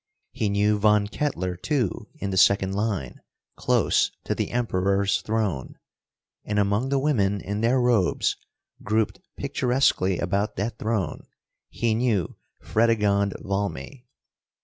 He knew Von Kettler, too, in the second line, close to the Emperor's throne. And, among the women in their robes, grouped picturesquely about that throne, he knew Fredegonde Valmy.